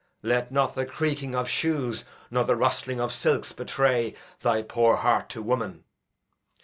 Let not the creaking of shoes nor the rustling of silks betray thy poor heart to woman.